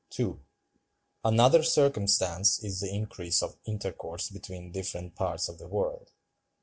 (2.) Another circumstance is the increase of intercourse between different parts of the world.